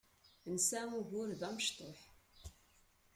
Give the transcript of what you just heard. Nesεa ugur d amecṭuḥ.